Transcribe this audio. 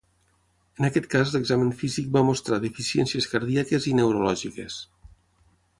En aquest cas l'examen físic va mostrar deficiències cardíaques i neurològiques.